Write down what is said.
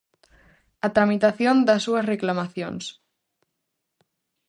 A tramitación das súas reclamacións.